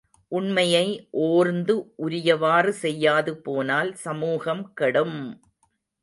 உண்மையை ஓர்ந்து உரியவாறு செய்யாது போனால் சமூகம் கெடும்!